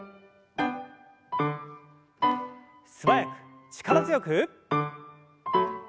素早く力強く。